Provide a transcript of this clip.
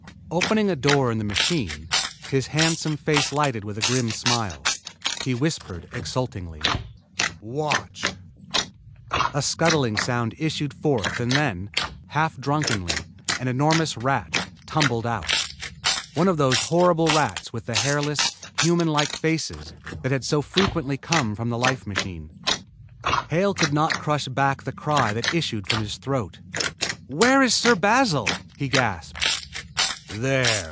Opening a door in the machine, his handsome face lighted with a grim smile, he whispered exultingly: "Watch!" A scuttling sound issued forth and then, half drunkenly, an enormous rat tumbled out one of those horrible rats with the hairless, humanlike faces that had so frequently come from the life machine. Hale could not crush back the cry that issued from his throat. "Where is Sir Basil?" he gasped. "There!"